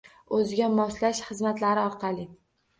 O’ziga moslash xizmatlari orqali